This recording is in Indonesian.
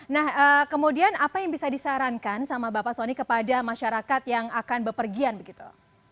nah kemudian apa yang bisa disarankan sama bapak soni kepada masyarakat yang akan bepergian begitu